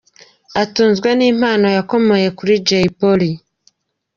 Atunzwe n’impano yakomoye kuri Jay Polly.